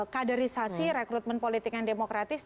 kaderisasi rekrutmen politik yang demokratis